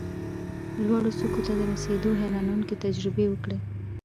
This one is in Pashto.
لوړو څوکو ته د رسېدو حیرانوونکې تجربې وکړې،